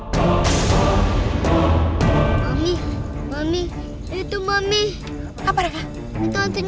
pertama kita di singkat ke